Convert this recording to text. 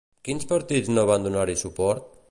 Quins partits no van donar-hi suport?